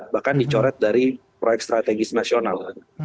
bahkan dicoret dari proyek strategis nasional